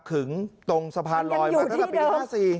ถึงตรงสะพานลอยมาตั้งแต่ปี๕๔